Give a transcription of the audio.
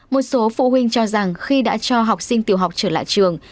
một số phụ huynh cho rằng khi đã cho học sinh tiểu học trở lại trường